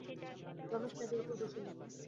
রমেশ মেজের উপরে বসিল।